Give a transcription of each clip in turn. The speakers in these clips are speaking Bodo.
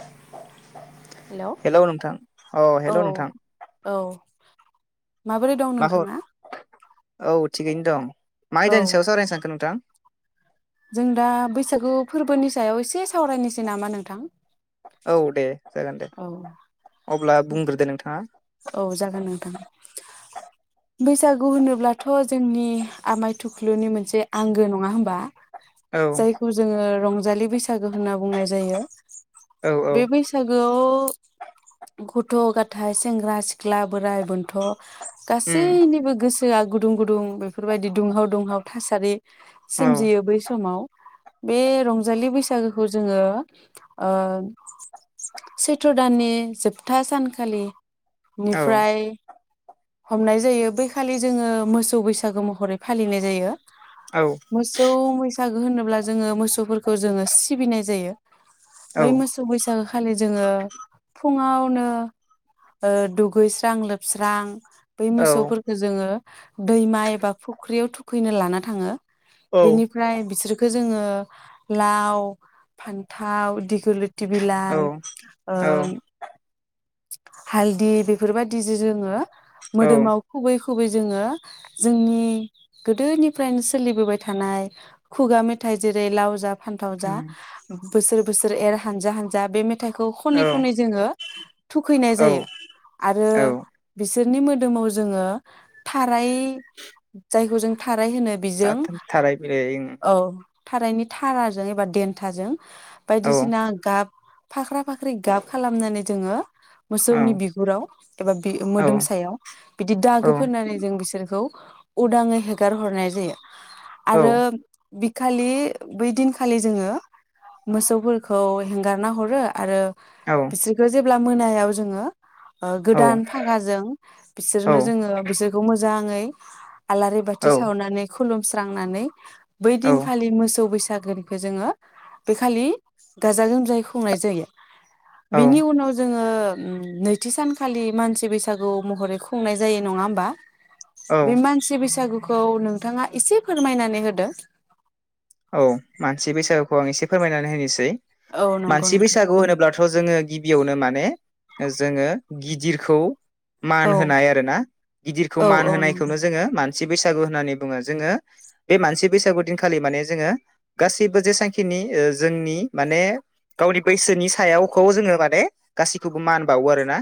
[inaudible] हेलौ नोंथां अ हेलौ औ नोंथां औ माबोरै दं मा नोंथाङा? खबर औ थिगैनो दं मा औ आयदानि सायाव सावरायनो सानखो नोंथां? जों दा बैसागु फोरबोनि सायाव एसे सावरायनोसै नामा नोंथां औ दे जागोन दे औ अ अब्ला बुंग्रोदो नोंथाङा औ जागोन नोंथां बैसागु होनोब्लाथ' जोंनि आमाय थुख्लुनि मोनसे आंगो नङा होमबा औ जायखौ जोङो रं जालि बैसागो होनना बुंनाय जायो औ औ बे बैसागोआव गथ गाथाय सेंग्रा सिख्ला बोराइ बोनथ' उम गासैनिबो गोस सोआ गुदुं गुदुं बेफोरबायदि दुंहाव दुंहाव थासारि औ सोमजियो बै समाव बे रंजालि बैसागोखौ जोङो ओ सैथ्र' दाननि जोबथा सानखालि औ निफ्राय हमनाय जायो बैखालि जोङो मोसौ बैसागो महरै फालिनाय जायो औ मोसौ मैस सागो होनोब्ला जोङो मोसौफोरखौ जोङो सिबिनाय जायो औ बै मोसौ बैसागो खालि जोङो फुङावनो ओ दुगैस्रां लोबस्रां बै औ मोसौफोरखो जोङो दैमा एबा फुख्रियाव थुखैनो लाना थाङो बेनिफ्राय बिसोर खो जोङो लाव फान्थाव दिगोलि थि औ बिलाइ ओ [inaudible] हालदि बेफोरबायदि जो जोङो औ मोदोमाव खुबै गुबै जोङो जोंनि गोदोनिफ्रायनो सोलिबोबाय थानाय खुगा मेथाइ जेरै लावजा फान्थाव जा उम बोसोर बोसोर एर हानजा हानजा बे मे थाइखौ खनै औ खनै जोङो थुखैनाय औ जायो आरो औ बिस सोरनि मोदोमाव जोङो थाराय जायखौ जों था राय होनो बिजों थाराय बिलाइ औ थारायनि थाराजों एबा देन्थाजों औ बायदिसिना गाब फाख्रा फाख्रि गाब खालामनानै जोङो औ मोसौनि बिगुराव एबा बि औ मोदोमसायाव बिदि औ दागो फोननानै जों बिसोरखौ उदाङै हेगार हरनाय जायो औ आरो बिखालि बै दिनखालि जोङो मोसौफोरखौ हगारना हरो आरो औ बिसोरखौ जेबो अब्ला मोनायाव जोङो ओ गोदान फागाजों औ बिसोरनो जोङो बिसोरखौ मोजां मोजाङै आलारि बाथि औ सावनानै खुलुम स्रांनानै बै दिनखालि मोसौ बैसागो खौ जोङो बे खालि गाजा गोमजायै खुंनाय जायो। बिनि औ उनाव जोङो। [inaudible] नैथि सानखालि मानसि बैसागु महरै खुंनाय जायो नङा होमबा। बै मानसि बैसागु खौ नोंथाङा इसे फोरमायनानै होदो औ मानसि बैसागुखौ आं एसे फोरमायनानै होनोसै। औ नंगौ मानसि नोंथां बैसागु होनोब्लाथ' जोङो गिबियावनो माने जोङो गिदिरखौ मान औ होनाय आरोना गिदिरखौ औ मान औ नंगौ होनायखौनो जोङो मान मानसि बैसागु होननानै बुङो जोङो बे मानसि बैसागु दिनखालि माने। जोङो गासैबो जेसांखिनि जोंनि माने गावनि बैसोनि सायावखौ जोङो माने गासैखौबो मान बावो आरो ना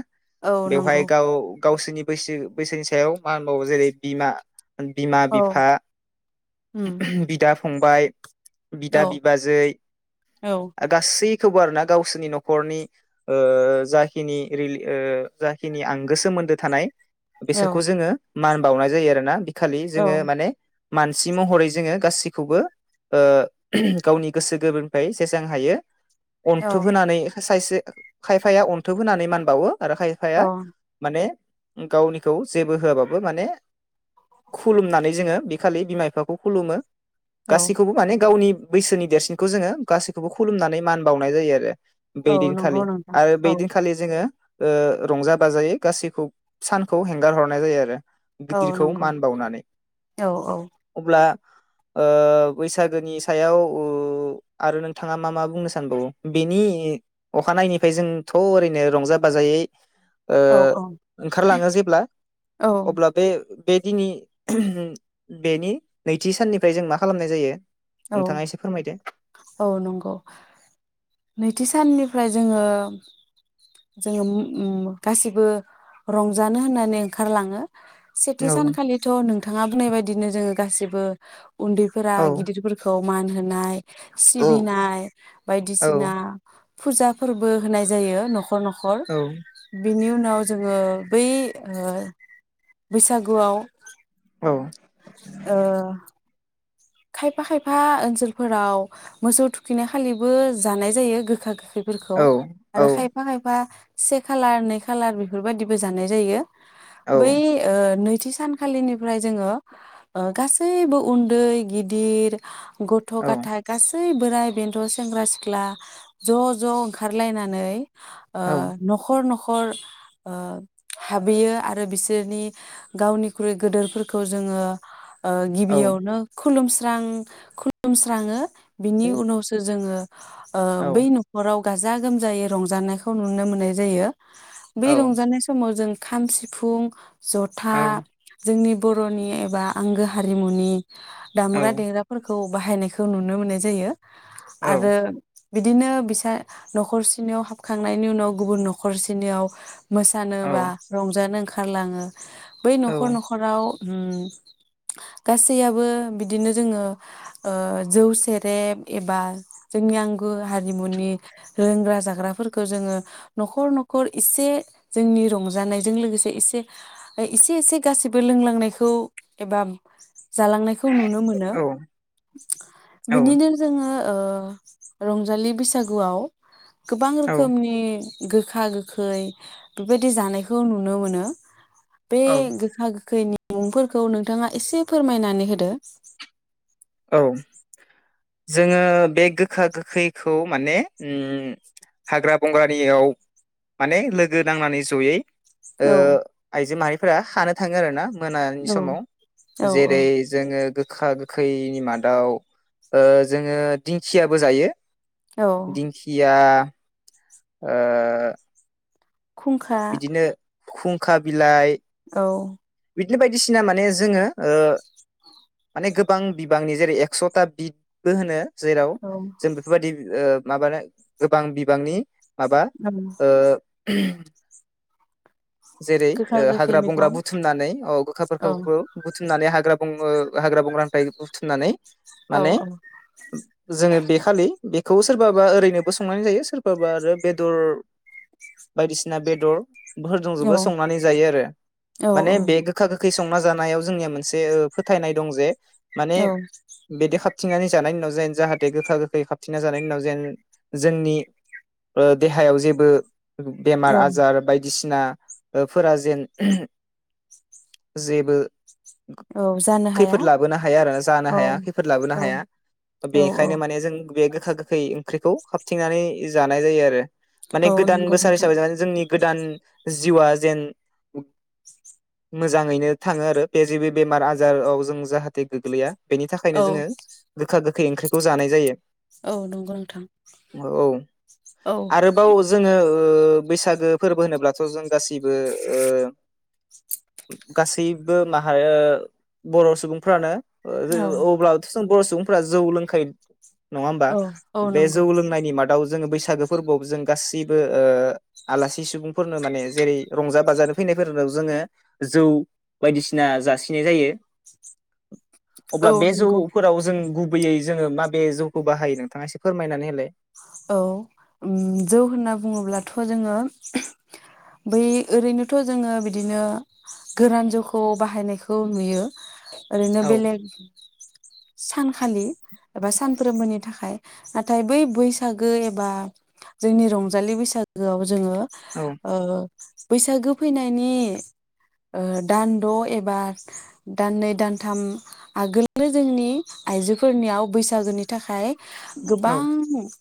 औ बेवहाय नंगौ गाव। गावसोरनि बैसो बैसोनि सायाव मा होनबावो जेरै बिमा औ बिमा-बिफा, उम बिदा फंबाय औ बिदा बिबाजै औ गासै खौबो आरो ना गावसोरनि न'खरनि जाखिनि लि जाखिनि आंगो सोमोन्दो थानाय। बेसोरखौ जोङो मान बावनाय जायो आरोना खालि औ जोङो माने मानसि महरै जोङो गासिबो खौबो गावनि गोसो गोरबोनिफ्राय जेसां हायो औ अन्थोब होनानै सायसे खायफाया अन्थोब होनानै मान बावो आरो खायफाया माने गावनिखौ जेबो होआबाबो माने खुलुमनानै जोङो बे खालि बिमा बिफाखौ खुलुमो। औ गासैखौबो माने गावनि बैसोनि देरसिनखौ जोङो गासैखौबो खुलुमनानै मान बावनाय जायो आरो। औ नंगौ बैदिनखालि नोंथां आरो बै औ दिनखालि जोङो। ओ रंजा बाजायै गासैखौ सानखौ हेंगार हरनाय जायो आरो। औ गिदिरखौ नंगौ मान बावनानै औ अब्ला बैसागोनि सायाव आरो नोंथाङा मा मा बुंनो सानबावो बेनि अखानायैफ्राय जोंथ' ओरैनो रंजा बाजायै। ओ औ औ ओंखारलाङो जेब्ला औ अब्ला बे। बे दिनै बेनि नैथि साननि ओमफ्राय जों मा खालामनाय जायो औ नोंथाङा एसे फोरमायदो औ नंगौ नैथि साननिफ्राय जोङो जोङो उम गासिबो रंजानो होननानै ओंखारलाङो सेथि औ सानखालिथ' नोंथाङा बुंनाय बायदिनो जोङो गासिबो उन्दैफोरा औ गिदिरफोरखौ मान होनाय औ सिबिनाय औ बायदिसिना फुजा फोरबो होनाय जायो न'ख नख'र औ नख'र बिनि उनाव नाव जोङो बै ओ बैसागुआव औ ओ खायफा खायफा ओनसोलफोराव मोसौ थुखैनाय खालिबो जानाय जायो गोखा गोखै औ फोरखौ औ आरो खायफा खायफा से खालार नै खालार बेफोरबायदिबो जानाय जायो औ बै ओ नै थि सानखालिनिफ्राय जोङो ओ गासैबो उन्दै गिदिर गथ' औ गाथाय गासै सै बोराय बेन्थ' सेंग्रा सिख्ला ज' ज' ओंखारलायनानै ओ न'खर नख' ख'र ओ हाबहैयो आरो बिसोरनि गावनिख्रुइ गोदोरफोरखौ जोङो ओ औ गिबियावनो खुलुमस्रां खुलुमस्राङो बिनि उनावसो जोङो ओ बै औ न'खराव गाजा गोमजायै रंजानायखौ नुनो मोननाय जायो बे रंजानाय समाव जों खाम, सिफुं जथा जोंनि बर'नि एबा आंगो हारिमुनि दामग्रा देग्राफोर खौ बाहायनायखौ नुनो मोननाय जायो। आरो बिदिनो बिसा न'खरसेनियाव हाबखांनायनि उनाव गुबुन न'खरसेनियाव मोसानो‌ बा रंजानो ओं खारलाङो। बै न'खर न'खराव उम गा सैयाबो बिदिनो जोङो ओ जौ, सेरेब एबा जोंनि आंगो हारिमुनि लोंग्रा जाग्राफोरखौ जोङो न'खर न'खर एसे जोंनि रंजानायजों लोगोसे एसे एसे एसे गासिबो लोंलांनायखौ एबा जालांनायखौ नुनो मोनो बिनिनो जोङो। ओ रंजालि बैसागुवाव गोबां औ रोखोमनि गोखा गोखै बेबायदि जानायखौ नुनो मोनो। बे औ गोखा गोखैनि मुंफोरखौ नोंथाङा एसे फोरमायनानै होदो। औ। जोङो बे गोखा गोखैखौ माने ओम हाग्रा बंग्रानियाव माने लोगो नांनानै जयै ओ औ आइजो माहा रिफोरा खानो थाङो आरो ना। मोनानि औ समाव औ जेरै जोङो गोखा गो खैनि मादाव ओ जोङो दिंखियाबो जायो। औ दिंखिया ओ खुंखा। बिदिनो खुंखा बिलाइ। औ। बिदिनो बायदिसिना माने जोंङो ओ माने गोबां बिबांनि जेरै एक्स'ता बिदबो होनो। जेराव औ जों बेफोरबायदि ओ। माबानो गोबां बिबांनि। माबा ओ। [unintelligible] जेरै गोखा ओ गोखै हाग्रा बंग्रा मैगं बुथुमनानै औ औ गोखाफोरखौबो बुथुमनानै हाग्रा बं बुङो हाग्रा बंग्रांनिफाइ बुथुमनानै। औ माने औ जोङो बेखालि। बेखौ सोरबाबा ओरैनोबो संनानै जायो सोरबाबा आरो बेदर बायदिसिना बेदर। औ जोंजोबो संनानै जायो आरो औ माने बे गोखा गोख खै संना जानायाव जोंनिया मोनसे फोथायनाय दं जे। माने औ बेदेखाब थिनानै जानायनि उनाव जेन जाहाथे गोखा गोखै खाबथिना जानायनि उनाव जेन जोंनि ओ देहायाव जेबो। बेमार औ आजार बायदिसि ना। ओ फोरा जेन जेबो। औ जानो हाया खैफोद लाबोनो हाया आरोना जानो औ हाया खैफोद लाबोनो औ हाया औ औ बेनिखायनो माने जों बे गोखा गोखै। ख्रिखौ खाबथिंनानै जानाय जायो आरो। माने औ गोदान नंगौ बोसार नोंथां हिसाबै जान जोंनि। गोदान जिउआ जेन मोजाङैनो थाङो आरो बे जिबि बेमार आजाआव जों जाहाथे गोग्लैया। बेनि थाखायनो औ जोङो गोखा गोख गोखै ओंख्रिखौ जानाय जायो। औ नंगौ नोंथां औ औ आरोबाव जोंङो ओ। बैसागो फोरबो होनोब्ला। स' जों गासैबो ओ गासैबो माहा ओ बर' सुबुंफ्रानो। ओ जेरै औ अब्लाबोथ' जों। बर' सुबुंफोरा जौ लोंखायो। नङा ओमबा औ औ बे नंगौ जौ लोंनायनि मादाव जोङो बैसागो फोरबोआव जों गासैबो ओ आलासि सुबुं। फोरनो माने जेरै रंजा बाजानो फैनायफोरनो जोंङो जौ बायदिसिना जासिनाय जायो। औ अब्ला बे नंगौ जौफोराव जों गु गुबैयै जोङो माबे जौखौ बाहायो नोंथाङा एसे फोरमायनानै होलाय? औ ओम जौ होनना बुङोब्लाथ' जोङो बै ओरैनोथ' जोङो बिदिनो गोरान जौखौ बाहायनायखौ नुयो ओरैनो औ बेलेग सानखालि एबा सानफ्रोमबोनि थाखाय नाथाय बै बैसागो एबा जोंनि रंजालि बैसागोयाव जोङो औ ओ बैसागो फैनायनि ओ दानद' एबा दाननै दानथाम आगोलनो जोंनि आइजोफोरनियाव बैसागोनि थाखाय औ गोबां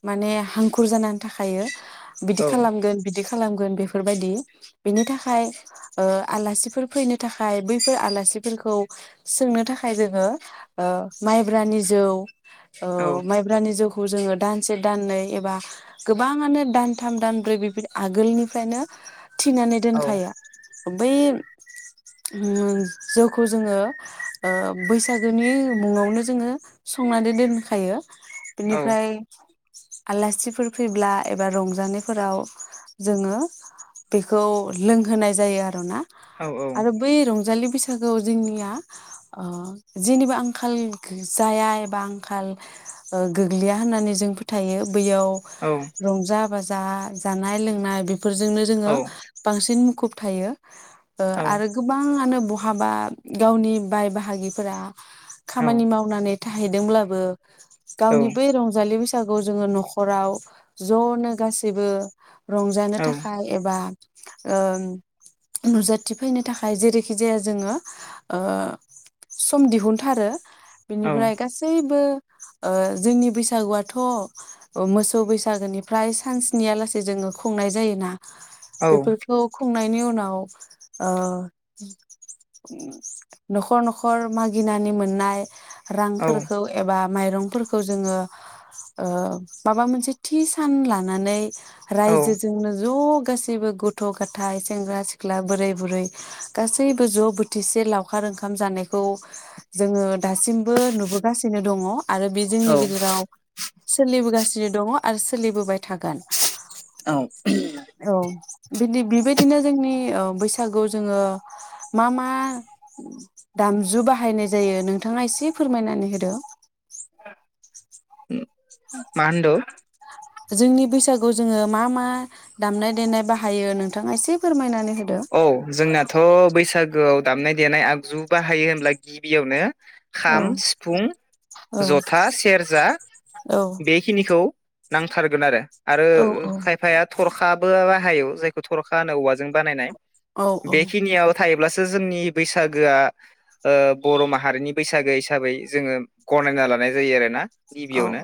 माने हांखुर जानानै थाखायो बिदि औ खालामगोन बिदि बिदि खालामगोन बेफोरबायदि बिनि थाखाय ओ आलासिफोर फैनो थाखाय बैफोर आलासिफोरखौ सोंनो थाखाय जोङो ओ माइब्रानि जौ ओ औ माइब्रानि जौखौ जोङो दान से दाननै एबा गोबाङानो दानथाम दानब्रै बेबादि आगोलनिफ्रायनो थिनानै औ दोनखायो बै उम जौखौ जोङो ओ बैसागोनि मुङावनो जोङो संनानै दोनखायो बिनिफ्राय औ आलासिफोर फैब्ला एबा रंजानायफोराव जोङो बेखौ लोंहोनाय जायो आरोना औ आरो बै रंजालि बैसागोआव जोंनिया ओ जेनिबो आंखाल जाया एबा आंखाल ओ गोग्लैया होननानै जों फोथायो बैयाव औ रंजा-बाज जा जानाय- लोंनाय बेफ फोरजोंनो औ जोङो औ बांसिन खुब थायो ओ आरो गोबाङानो बहाबा गावनि बाय बाहागिफोरा खामानि मावनानै थाहैदोंब्लाबो गावनि बै रंजालि बैस सागु जोङो न'खराव ज'नो गासैबो रंजानो थाखाय एबा ओ नुजाथिफैनो थाखाय जेरैखि जाया जोङो ओ सम दिहुनथारो बेनिफ्राय गासैबो ओ जोंनि बैसागुआ थ' ओ मोसौ बैसागोनिफ्राय सान स्निया लासेै जोङो खुंनाय जायोना बेफोरखौ खुंनाय नि उनाव ओ न'खर न'खर मागिनानै मोननाय रांफोरखौ एबा माइरंफोरखौ जोङो ओ माबा मोनसे थि सान लानानै औ रायजोजोंनो ज' गासैबो गथ' गाथाय सेंग्रा सिख्ला बोरै बुरै गासैबो ज' बोथिसे लावखार ओंखाम जानायखौ जोङो दासिमबो नुबोगासिनो दङ आरो बे जोंनि औ गेजेराव सोलिबोगासिनो दङ आरो सोलिबोबाय थागोन औ औ बिदि बिबायदिनो जोंनि ओ बैसागु जोङो मा मा दामजु बाहायनाय जायो नों थाङा एसे फोरमायनानै होदो [inaudible] उम मा होनदो जोंनि बैसागु जोङो मा मा दामनाय देनाय बाहायो नोंथाङा एसे फोरमायनानै होदो औ जोंनाथ' बैसा गोआव दामनाय देनाय आगजु बाहायो होनब्ला गिबियावनो औ खाम, सिफुं, औ जथा, सेरजा औ बेखिनिखौ नांथारगोन आरो आरो औ खायफाया थरखाबो हायो जायखौ थर'खा होनो औवाजों जों बानायनाय औ बेखिनियाव थायोब्लासो सो जोंनि बैसागोआ ओ बर' माहारिनि बैसागो हिसाबै जोङो गनायना लानाय जायो आरोना गिबियावनो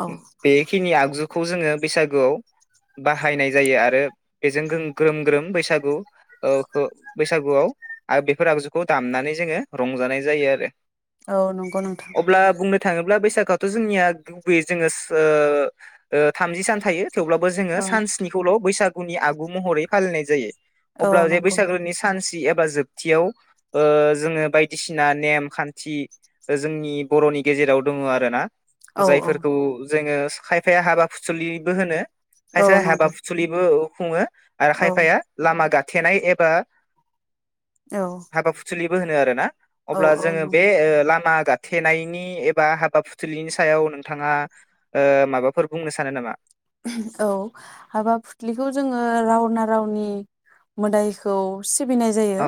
औ बे खिनि आगजु खौ जोङो बैसागोआव बाहायनाय जायो आरो बेजों ग्रो ग्रोम ग्रोम बैसागु ओखो बैसागुआव आ बेफोर आगजुखौ दामनानै जोङो रंजानाय जायो आरो औ नंगौ नोंथां ब्ला बैसागोआथ' जोंनिया गुबैयै जोङो ओ ओ थामजि सान थायो थेवब्लाबो जोङो औ सानस्निखौल' बैसाग उनि आगु महरै फालिनाय जायो औ अब्ला जे नंगौ बैसागोनि सानसि एबा जोब थियाव ओ जोङो बायदिसिना नेम खान्थि जोंनि बर'नि गेजेराव दङो आरोना औ औ जायफोरखौ जोङो खायफाया हाबा फुसुलिबो होनो औ खायसे हाबा नंगौ फुसुलिबो खुङो आरो औ खायफाया लामा गाथेनाय एबा औ हाबा फुसुलिबो होन नो आरो ना औ अब्ला जोङो औ बे ओ लामा गाथेनायनि एबा हाबा फुथुलिनि सायाव नोंथाङा ओ माबाफोर बुंनो सानो नामा औ हाबा फुथ्लिखौ जोङो रावना रावनि मोदायखौ सिबिनाय जायो औ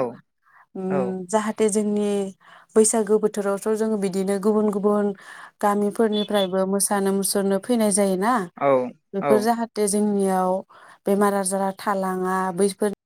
औ उम जाहाथे जोंनि बैसागो बोथोरावथ' जोंङो बिदिनो गुबुन गुबुन गामिफोरनिफ्रायबो मोसानो मुसुरनो फैनाय जायो ना औ बेफोर जाहाथे जोंनियाव बेमार आजारा थालाङा बैफोर